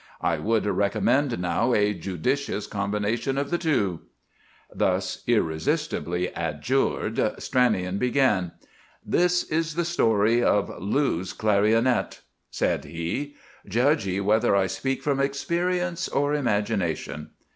I would recommend, now, a judicious combination of the two." Thus irresistibly adjured, Stranion began:— "This is the story of— 'LOU'S CLARIONET,'" said he. "Judge ye whether I speak from experience or imagination.